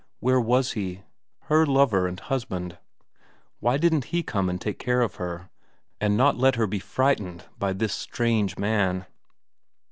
Where was he, her lover and husband ? Why didn't he come and take care of her, and not let her be frightened by this strange man.